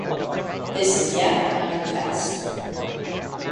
This is yet another test.